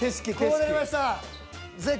こうなりました。